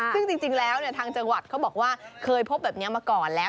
ซึ่งจริงแล้วทางจังหวัดเขาบอกว่าเคยพบแบบนี้มาก่อนแล้ว